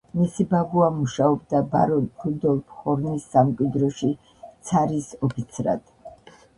მისი ბაბუა მუშაობდა ბარონ რუდოლფ ჰორნის სამკვიდროში ცარის ოფიცრად.